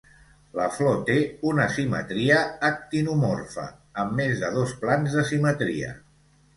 La flor té una simetria actinomorfa, amb més de dos plans de simetria.